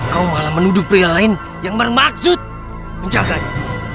kau malah menuduh pria lain yang bermaksud menjaganya